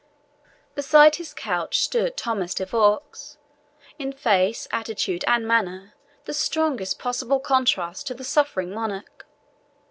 Beside his couch stood Thomas de Vaux, in face, attitude, and manner the strongest possible contrast to the suffering monarch.